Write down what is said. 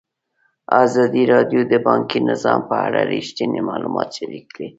ازادي راډیو د بانکي نظام په اړه رښتیني معلومات شریک کړي.